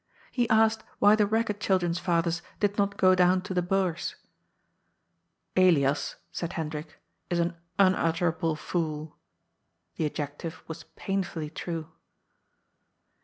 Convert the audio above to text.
He asked why the ragged chil dren's fathers did not go down to the " Bourse." " Elias," said Hendrik, " is an unutterable fool." The adjective was painfully true.